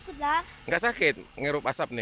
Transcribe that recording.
tidak sakit mengerup asap ini